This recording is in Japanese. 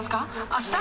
あした？